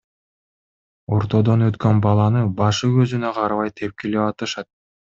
Ортодон өткөн баланы башы көзүнө карабай тепкилеп атышат.